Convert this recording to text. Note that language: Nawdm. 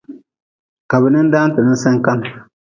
Ka be nindan ti ninsen kan.